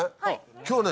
今日ね。